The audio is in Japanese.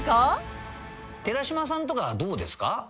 寺島さんとかはどうですか？